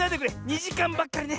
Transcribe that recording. ２じかんばっかりね。